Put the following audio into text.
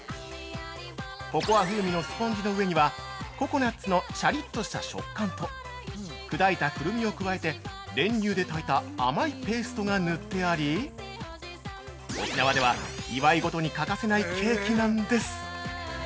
ココア風味のスポンジの上には、ココナッツのシャリっとした食感と、砕いたくるみを加えて練乳で炊いた甘いペーストが塗ってあり、沖縄では祝い事に欠かせないケーキなんです◆